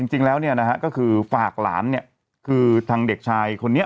จริงแล้วเนี่ยนะฮะก็คือฝากหลานเนี่ยคือทางเด็กชายคนนี้